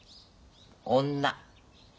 女。